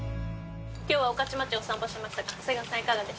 今日は御徒町お散歩しましたが長谷川さんいかがでしたか？